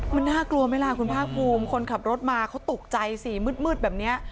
มันน่ากลัวไหมล่ะคุณภาคภูมิคนขับรถมาเขาตกใจสิมืดแบบนี้